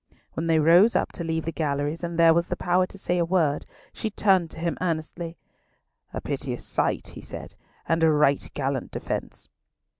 When they rose up to leave the galleries, and there was the power to say a word, she turned to him earnestly. "A piteous sight," he said, "and a right gallant defence."